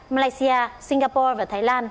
malaysia singapore và thái lan